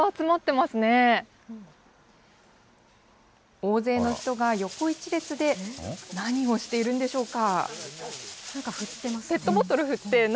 大勢の人が横一列で何をしているんでしょうか。